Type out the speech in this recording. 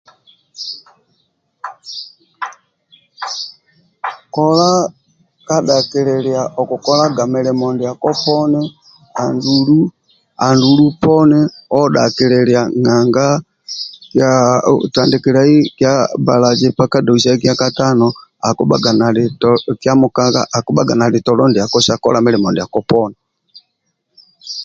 Kola ka dahkililia okukolagaga milimo ndiako poni andulu andulu poni odhakililia nanga tandikiliai bbalaza doisai kyakatono kyamukagha akibhaga akibhaga nali bwile sa kola mulimo ndiako poni